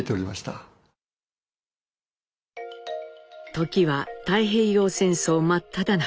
時は太平洋戦争真っただ中。